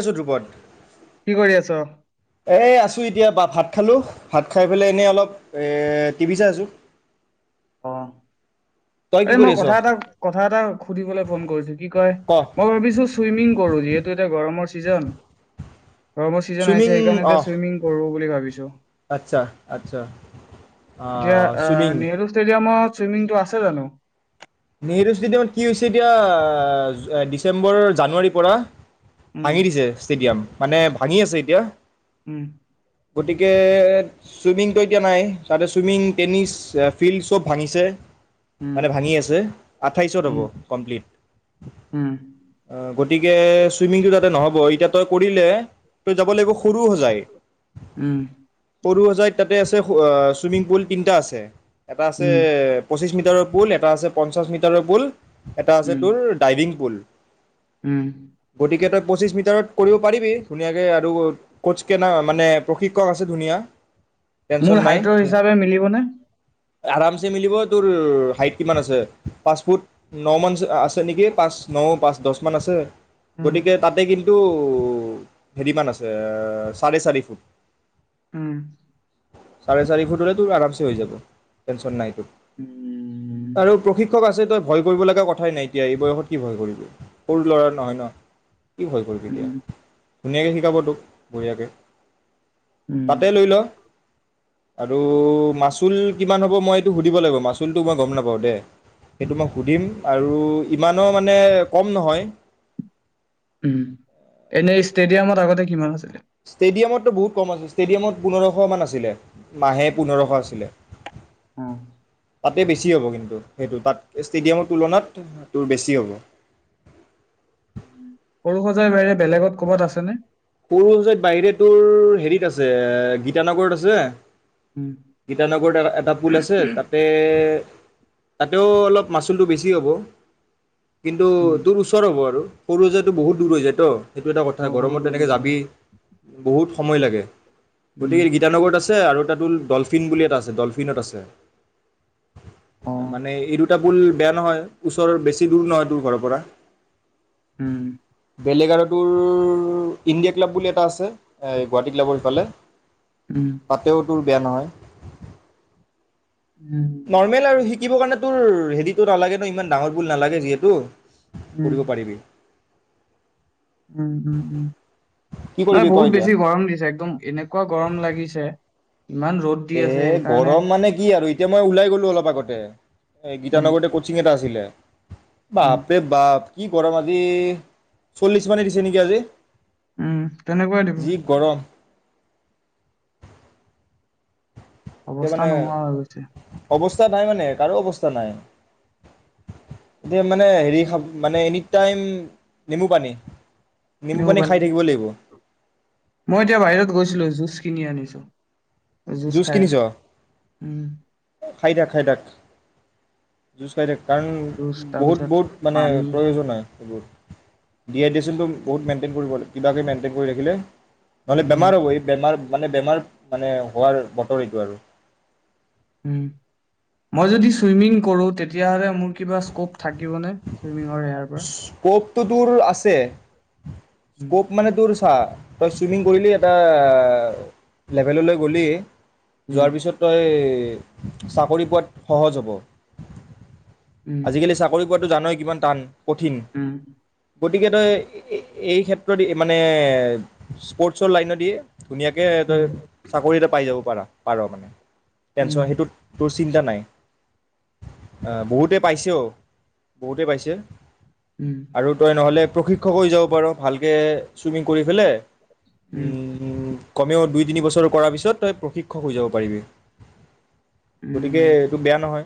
আছো গ্ৰুপত কি কৰি আছ? এ, আছো এতিয়া বা ভাত ভাত খালোঁ, ভাত খাই পেলাই এনেই অলপ টিভি চাই আছোঁ। অ'। আৰে মই আছ কথা এটা, কথা এটা সুধিবলৈ ফোন কৰিছো কি কয় ক মই ভাবিছো চুইমিং কৰো যিহেতু এতিয়া গৰমৰ ছিজন গৰমৰ ছিজন আহিছে চুইমিং সেইকাৰণে এয়া চুইমিং কৰো বুলি ভাব বুইছ? আতচ্ছা আতচ্ছা আ, এতিয়া আহ চুইমিং [unintelligible] চুইমিংটো আছে জানো? নেহেৰু ষ্টেডিয়ামত কি হৈছে এতিয়া আ, ডিচেম্বৰ, জানুৱাৰীৰ পৰা উম ভাঙি দিছে ষ্টেডিয়াম। মানে ভাঙি আছে এতিয়া। উম। গতিকে চুইমিংটো এতিয়া নাই তাতে চুইমিং, টেনিছ ফিল্ড চব ভাঙিছে। উম মানে ভাঙি আছ আছে আঠাইছত হ'ব কমপ্লিট। হম। গতিকে চুইমিংটো তাতে নহ'ব এতিয়া তই কৰিলে তই যাব লাগিব সৰু সজাই উম। সৰু সজাইত তাতে আছে আ, চুইমিং পুল তিনটা আছে। এটা আছে উম পঁচিশ মিট ভিতৰ পুল এটা আছে পঞ্চাছ মিটাৰৰ পুল। এটা আছে উম তোৰ ডাইভিং পুল, উম গতিকে তই পঁচিশ মিটাৰত কৰিব পাৰিবি ধুনীয়াকে আৰু স্কটচ কেনা মানে প্ৰশিক্ষক আছে ধুনীয়া। টেনচন মোৰ হাইটৰ নাই হিচাপে মিলিবনে? আৰামছে মিলিব। তোৰ হাইট কিমান আছে? পাঁচফুট ন মানছ আছে নেকি? পাঁচ, ন, পাঁচ, দচ মান আছে। উম গতিকে তাতে কিন টো ও, হেৰি মান আছে এ চাৰে চাৰি ফুট। উম। চাৰে চাৰি ফুট হ'লে তোৰ আৰামচে হৈ যাব, টেনচন নাই তোৰ। উম আৰু? ছে তই ভয় কৰিব লগা কথাই নাই এতিয়া এই বয়সত কি ভয় কৰিবি? সৰু ল'ৰা নহয় ন? কি ভয় কৰিবি এতিয়া? উম ধুনীয়াকে শিকাব তোক, বহিয়াকে। তাতে উম লৈল। আৰুউউ মাচুল কিমান হ'ব মই এইটো সুধিব লাগিব মাচুলটো মই গম নাপাওঁ দে। সেইটো মই সুধিম আৰু ইমানো মানে কম নহয়। উম, এনে ষ্টেডিয়ামত আগতে কিমান আছিলে? ষ্টেডিয়ামত টো বহুত কম আছে ষ্টেডিয়ামত পোন্ধৰশ মান আছিলে। মাহে অ পোন্ধৰশ আছিলে? [inaudible] তাতে বেছি হ'ব কিন্তু সেইটো তাত ষ্টেডিয়ামৰ তুলনাত তোৰ বেছি অ হ'ব। [inaudible] সৰু সজাই বাহিৰে বেলেগত ক'বাত আছেনে? সৰু সজাইত বাহিৰে তোৰ হেৰিত আছে এ গীতানগৰত আছে উম, গীতানগৰত এটা-এটা পুল আছে তাতেএএ তাতেও অলপ মাচুলটো বেছি হ'ব। কিন্তু উম, তোৰ ওচৰ হ'ব আৰু। সৰু সজাই টো বহুত দূৰ হৈ যায় ত'। সেইটো এটা কথা অ', বহুত গৰমত দূৰ যেনেকে হৈ যায়, যাবি, বহুত সময় লাগে, উম। গতিকে গীতানগৰত আছে ছে আৰু এটা টোল ডলফিন বুলি এটা আছে ডলফিনত আছে। [inaudible] অ', মানে এইটো কেবোল বেয়া নহয়, ওচৰৰ বেছি দূৰ নহয় তোৰ ঘৰৰ পৰা। উম। বেলেগ আৰু তোৰ ইণ্ডিয়া ক্লাব বুলি এটা আছে, এই গুৱাহাটী ক্লাবৰ সিফালে। উম। তাতেও তোৰ বেয়া নহয়। উম। নৰ্মেল আৰু সি সিকিব কাৰণে তোৰ হেৰিতো নালাগে ন ইমান ডাঙৰ বুল নালাগে যিহেতু উম, কৰিব পাৰিবি। উম, উম, উম, কি নাই কৰিবি ক বহুত এতিয়া বেছি গৰম দিছে একদম এনেকুৱা গৰম লাগিছে ইমান ৰ'দ দি আছে এ' সেইকাৰণে গৰম মানে কি আৰু এতিয়া মই ওলাই গ'লো অলপ আগতে। এই উম, গীতানগৰতে ক'চিং এটা আছিলে। [inaudible] উম, বাপ ৰে বাপ। কি গৰম আজি, চল্লিছ মানেই দিছে নেকি আজি? উম তেনেকুৱাই দিব। যি গৰম এতিয়া মানে অৱস্থা নোহোৱা হৈ গৈছে। অৱস্থা নাই মানে কাৰো অৱস্থা নাই। এতিয়া মানে হেৰি মানে এনি টাইম নেমু পানী নিমু পানী খাই থাকিব লাগিব। মই এতিয়া বাহিৰত গৈছিলোঁ জুচ কিনি আনিছোঁ। জুচ খাই আছো। উম খাই থাক, খাই থাক, জুচ খাই থাক। কাৰণ জুচ বহুত, তাৰপিছত বহুত মানে পানী, প্ৰয়োজন হয়, সেইবোৰ [unintelligible] একদম বহুত মেইনটেইন কৰিব লাগিব কিবাকে মেইনটেইন কৰি ৰাখিলে নহ'লে উম, বেমাৰ হ'ব, এই বেমাৰ মানে বেমাৰ, মানে হোৱাৰ বতৰ এইটো আৰু হম! মই যদি চুইমিং কৰো তেতিয়া হ'লে মোৰ কিবা স্কপ থাকিব নে চুইমিঙৰ [inaudible] পৰা? [inaudible] আছে। উম, স্কপ মানে তোৰ [unintelligible] তই চুইমিং কৰিলি এটা লেভেললৈ গ'লি উম, যোৱাৰ পিছত তই চাকৰি পোৱাত সহজ হ'ব। উম, আজিকালি চাকৰি [unintelligible] তো জানোই কিমান টান। কঠিন উম গতিকে তই এই ক্ষেত্ৰ দি মানে স্পৰ্টছৰ লাইন দি ধুনীয়াকে উম, চাকৰি এটা পাই যাব পাৰ পাৰ মানে টেনশ্যন সেইটো তোৰ চিন্তা নাই। বহুতে পাইছও, বহুতে পাইছে। উম, উম, আৰু তই নহলে প্ৰশিক্ষক হৈ যাব পাৰ। ভালকে চুইমিং কৰি ফেলে উম, উম। কমেও দুই তিনিবছৰ কৰাৰ পিছত তই প্ৰশিক্ষক হৈ যাব পাৰিবি। উম, গতিকে এইটো বেয়া নহয়।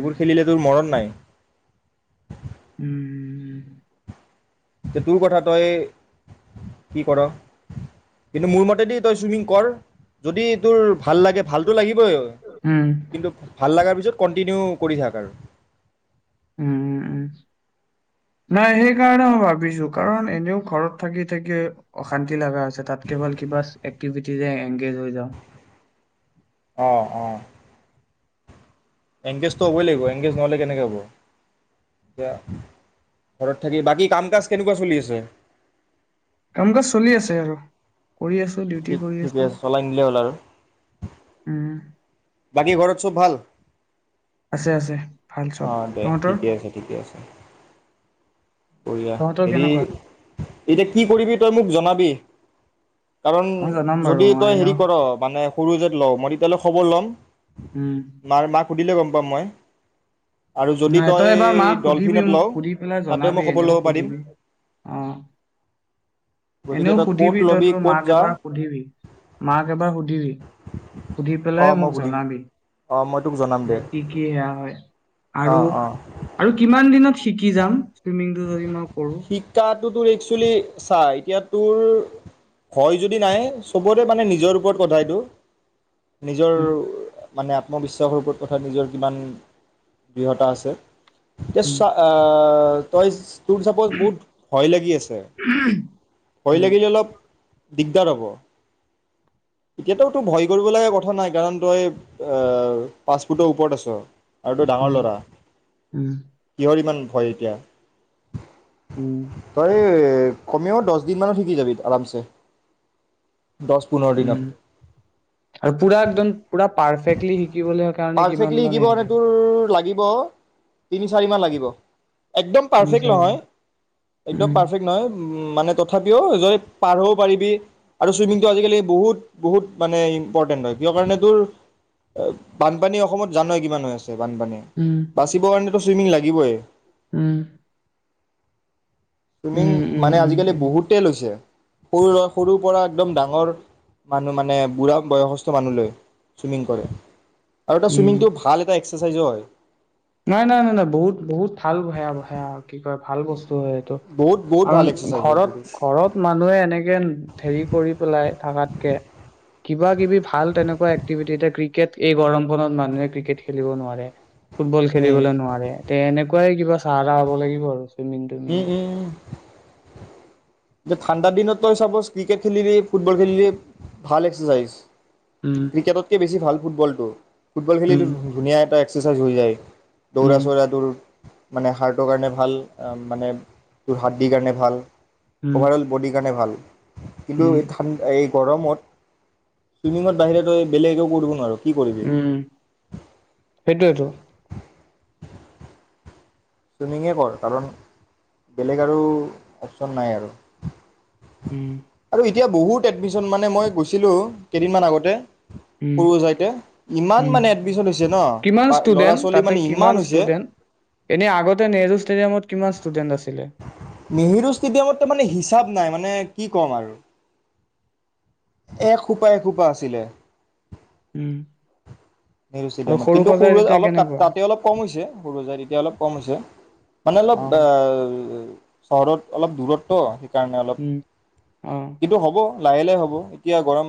এইবোৰ খেলিলে তোৰ মৰণ নাই। উম, উম, উম। যে তোৰ কথা তই কি ক'ৰ। কিন্তু মোৰ মতেদি তই ছুইমিং কৰ যদি তোৰ ভাল লাগে, ভালতটো লাগিব উম, [unintelligible] কিন্তু ভাল লগাৰ পিছত কন্টিনিউ কৰি থাক আৰু উম, উম, উম, নাই সেইকাৰণে মই ভাবিছো কাৰণ এনেও ঘৰত থাকি থাকি অশান্তি লাগা হৈছে তাত কেৱল কিবা এক্টিভিটিজ এংগেজ হৈ যাওঁ। অহ অ এংগেজটো হ'বই লাগিব এংগেজ নহ'লে কেনেকৈ হ'ব। এতিয়া ঘৰত থাকি, বাকী কাম কাজ কেনেকুৱা চলি আছে? কাম কাজ চলি আছে আৰু। কৰি আছো ডিউটি ঠিক কৰি ঠিকে আছো। আছে চলাই নিলেই হ'ল আৰু। উম, বাকী ঘৰত চব ভাল? আছে আছে ভাল চব। অ দে তহতৰ? ঠিকে কৰি হেৰি কেনেকুৱা? এইতি কি কৰিবি তই মোক জনাবি। কাৰণ মই জনাম বাৰু যদি মই তই এনেও হেৰি কৰ মানে সৰুসজাইত লও মৰি [unintelligible] খবৰ লম। উম। মাৰ মাক সুধিলে গম পাম মই। আৰু যদি নাই তই এবাৰ মাক সুধিবি, ডলফিনত মোক লওঁ সুধি পেলাই তাতে মই জনাবি খবৰ এনেও ল'ব পাৰিম সুধিবি। অ', গতিকে এনেও তই ক'ত সুধিবি তই ল'বি তোৰ ক'ত মাক যা এবাৰ সুধিবি, মাক এবাৰ সুধিবি। সুধি পেলাই মোক জনাবি। অ', মই তোক জনাম যে দে কি কি সেয়া হয়, আৰু, অঁ অঁ আৰু কিমান দিনত শিকি যাম, চুইমিংটো যদি ম শিক্ষাত তোৰ একচুৱেলী চা এতিয়া তোৰ ভয় যদি নাই চবৰে মানে নিজৰ ওপৰত কথা এইটো নিজৰ উম মানে আত্মবিশ্বাসৰ ওপৰত কথাত নিজৰ কিমান দৃঢ়তা আছে। ত' উম চাহ অ', অ'। তইচ বহুত ভয় লাগি আছে ভয় উম লাগিলে অলপ দিগদাৰ হ'ব, এতিয়াতো তো ভয় কৰিব লগা কথা নাই কাৰণ তই এ পাছপুৰ্ট ওপৰত আছ। আৰু ডাঙৰ উম ল'ৰা উম কিহৰ ইমান হয় এতিয়া। উম তাৰে কমেও দহ দিন মানত শিকি যাবি আৰামছে। দহ পোন্ধৰ উম, দিনত আৰু পুৰা একদম পুৰা পাৰফেক্টলি শিকিবলৈ কাৰণে কিমান মানে আনিব ল' তিনি চাৰি মাহ লাগিব, একদম তিনি জেক চাৰি লহয়, ঘণ্টা। একদম উম পাৰফেক্ট নহ মানে তথাপিও [unintelligible] পাৰ হ'ও পাৰিবি আৰু ছুইমিংটো আজিকালি বহুত বহুত মানে ইম্পৰ্টেণ্ট হয় কিয় কাৰণে তোৰ বানপানী অসমত জানয় কিমান হৈ আছে। বানপানীয়ে উম বাচিব কাৰণে চুইমিং লাগিবই। উম। চুইমিং উম উম মানে উম আজিকালি উম বহুতে লৈছে। সৰু সৰুৰ পৰা একদম ডাঙৰ মানুহ মানে বুঢ়া বয়সস্থ মানুহ লয় ছুইমিং কৰে। আৰু এটা উম, চুইমিংটো ভাল এটা এক্সাৰচাইজও হয়। নাই নাই নাই নাই মানে বহুত বহুত ঠাল ভয়া সেয়া কি কয় ভাল বস্ত টো হয়টো, বহুত বহুত ভাল কাৰণ এক্সাৰচাইজ হয় এইটো ঘৰত ঘৰত মানুহে এনেকে হেৰি কৰি পেলাই থকাতকে, কিবা কিবি ভাল তেনেকুৱা এক্টিভিটি এ কেট এই গৰম খনত মানুহে ক্ৰিকেট খেলিব নোৱাৰে। ফুটবল উম খেলিবলৈ নোৱাৰে তে এনেকুৱাই কিবা চাহ টাহ হ'ব লাগিব আৰু। চুইমিং উম, তুইমিঙে। উম, উম। ঠাণ্ডা দিনত তই চাপজ ক্ৰিকেট খেলিলি ফুটবল খেলিলি ভাল এক্সাৰচাইজ। উম, ক্ৰিকেটতকে বেছি ভাল। ফুটবলটো ফুটবল খেলি উম, ধুনীয়া এটা চিজন হৈ যায়। দৌৰা, উম, চৌৰা দৌৰ মানে হাৰ্টৰ কাৰণে ভাল। মানে তোৰ হাদ্দিৰ কাৰণে ভাল। উম, ওভাৰল বডী কাৰণে ভাল। কিন্তু উম, এই ঠান এই গৰমত, ছুইমিঙত বাহিৰে তই বেলেগ একো কৰিব নোৱাৰোঁ। উম, সেইটোয়েতো। ছুইমিঙে কৰ, কাৰণ বেলেগ আৰু অপচন নাই আৰু। উম। আৰু এতিয়া বহুত এডমিশন, মানে মই গৈছিলোঁ কেইদিনমান আগতে উম, সৰু যাইতে ইমান উম, মানে এডমিশন হৈছে ন' কিমান বা ল'ৰা ষ্টুডেন্ট ছোৱালী তাতে মানে ইমান হৈছে। তই নেহৰু ষ্টেডিয়ামত কিমান ষ্টুডেণ্ট আছে? নেহেৰু ষ্টেডিয়ামত তা মানে হিচাপ নাই মানে কি ক'ম আৰু। এসোপা, এসোপা আছিলে। উম। নেহৰু আৰু ষ্টেডিয়ামত কিন্তু সজাই সৰু তেতিয়া অলপ কেনেকুৱা তাতে অলপ কম হৈছে সৰু সজাই যাই এতিয়া অলপ কম হৈছে মানে অলপ অ' চহৰত অলপ দূৰত ন'। কাৰণ অলপ উম অ কিন্তু হ'ব। লাহে লাহে হ'ব এতিয়া গৰম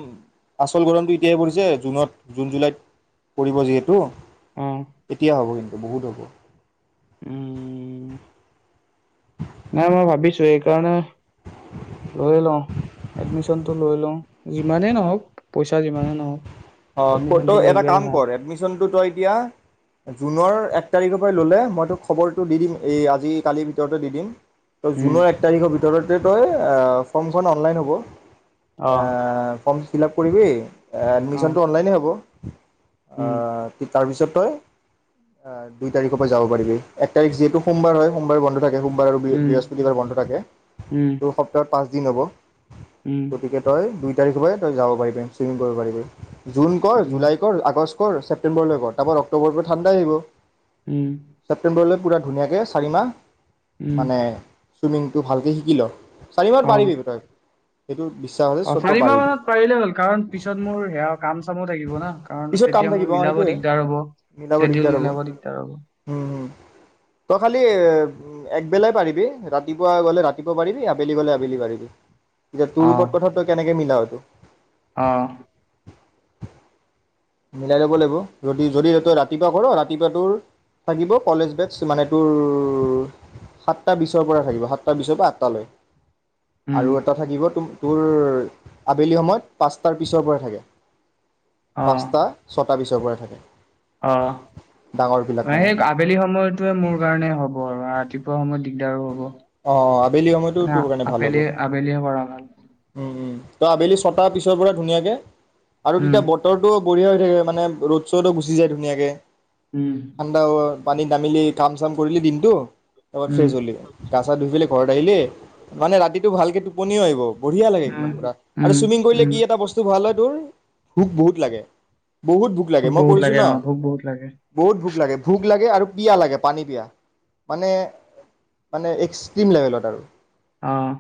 আচল গৰমটো এতিয়াহে পৰিছে জুনত, জুন, জুলাইত। কৰিব যিহেতু অ এতিয়া হ'ব কিন্তু। বহুত হ'ব। উম, নাই মই ভাবিছোৱে এইকাৰণে লৈ লওঁ এডমিচনটো লৈ লওঁ যিমানেই নহওঁক, পইচা যিমানে নহওঁক। অ', তই এটা কাম কৰ এডমিশনটো তই এতিয়া জুনৰ এক তাৰিখৰ পৰাই ল'লে মই তোক খবৰটো দি দিম, এই আজি কালিৰ ভিতৰতে দি দিম। ত' উম জুনৰ এক তাৰিখৰ ত'তে তই ফৰ্মখন অনলাইন হ'ব। অ আ ফিল আপ কৰিবি, এ অ খেলটো অনলাইনে হ'ব আ উম তাৰপিছত তই দুই তাৰিখৰ পৰা যাব পাৰিবি। এক তাৰিখ, যিহেতু সোমবাৰ হয়, সোমবাৰে বন্ধ থাকে। সোমবাৰ আৰু উম বৃহস্পতিবাৰে বন্ধ থাকে। উম আৰু সপ্তাহত পাঁচ দিন হ'ব উম গতিকে, তই দুই তাৰিখৰ পৰাই তই যাব পাৰিবি। চুইমিং কৰিব পাৰিবি জুন কৰ, উম জুলাই কৰ, আগষ্ট কৰ। ছেপ্টেম্বৰলৈ কৰ। তাৰপৰা অক্টোবৰৰ পৰা ঠাণ্ডাই আহিব উম ছেপ্টেম্বৰলৈ পুৰা ধুনীয়াকে, চাৰিমাহ উম মানে চুইমিংটো ভালকে শিকি ল চাৰিবাৰ অ পাৰিবি বোধহয় সেইটো বিশ্বাস আছে অ', চ' তই চাৰিমাহ পাৰিবি মানত পাৰিলে হ'ল। কাৰণ, পিছত মোৰ সেয়া কাম চামো থাকিব না কাৰণ পিছত কাম তেতিয়া থাকিব মোৰ অ মিলাব সেইটোৱে দিগদাৰ হ'ব, চেডিউল মিলাব দিগদাৰ হ'ব। উম, তই খালি‌ উম, একবেলাই পাৰিবি, ৰাতিপুৱা গ'লে ৰাতিপুৱা পাৰিবি, আবেলি গ'লে আবেলি পাৰিবি। এতিয়া তোৰ অ ওপৰত কথা, ত‌ই কেনে কে মিলাও ইটো। অ'। মিলাই ল'ব লাগিব, যদি-যদি তই ৰাতিপুৱা কৰোঁ, ৰাতিপুৱা তোৰ থাকিব কলেজ বেটছ মানে তোৰৰ সাতটা বিছৰ পৰা থাকিব সাতটা বিছৰ পৰা আঠটালৈ। উম আৰু এটা থাকিব তুম তোৰ, আবেলি সময়ত পাচটাৰ পিছৰ পৰা থাকে। অ', পাচটা, ছ তাৰ পিছৰ পৰা থাকে। অ', মানে সেক আবেলি সময়তোৱে মোৰ কাৰণে হ ব আৰু ৰাতিপুৱা সময়ত দিগদাৰো হ'ব। অ', অ', আবেলি সময়তো না তোৰ কাৰণে ভাল হ'ব। আবেলি আবেলিয়ে কৰা ভাল উম, উম, ত' আবেলি ছটাৰ পিছৰ পৰা ধুনীয়াকে আৰু উম, তেতিয়া বতৰটো বঢ়িয়া হৈ থাকে। মানে ৰ'দ-চদ‌ও গুচি যায় ধুনীয়াকে। উম, ঠাণ্ডা হোৱা। পানীত নামিলি কাম চাম কৰিলি দিনটো। এবাৰ উম, ফ্ৰেস হলিয়ে। গা চা ধুই পেলে ঘৰত আহিলে। মানে ৰাতিটো ভালকে টোপনিও আহিব। বঢ়িয়া লাগে উম। একদম পুৰা আৰু উম, চুইমিং কৰিলে উম, কি এটা বস্তু ভাল হয় তোৰ ভোক বহুত লাগে। বহুত ভোক লাগে মই বহুত কৰিছোঁ ন' অ', ভোক বহুত লাগে বহুত ভোক লাগে ভোক লাগে আৰু পিয়াহ লাগে পানী পিয়াহ, মানে মানে এক্সট্ৰিম লেভেলত আৰু। আহ।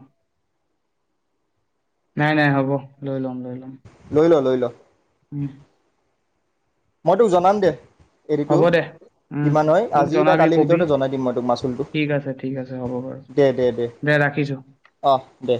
নাই নাই হ'ব লৈ লম লৈ ল'ম। লৈ ল' লৈ ল'। উম। মই তোক জনাম দে। এৰিটো হ'ব দে উম, কিমান হয় মোক আজি বা জনাবি কালিৰ কবি ভিতৰতে জনাই দিম মই তোক মাচুলটো। ঠিক আছে ঠিক আছে হ'ব বাৰু দে দে দে, অহ, দে।